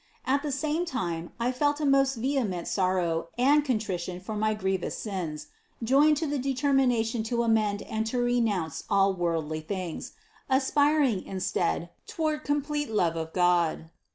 At the same time I felt a most vehement sorrow and contrition for my grievous sins, joined to the de termination to amend and to renounce all worldly things, aspiring instead toward complete love of God.